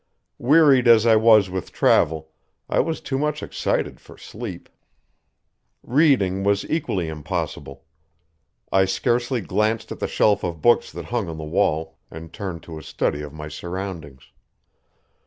Wearied as I was with travel, I was too much excited for sleep. Reading was equally impossible. I scarcely glanced at the shelf of books that hung on the wall, and turned to a study of my surroundings.